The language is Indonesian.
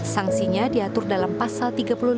sanksinya diatur dalam pasal tiga puluh lima